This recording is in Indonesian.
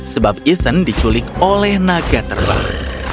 sebab ethan diculik oleh naga terbang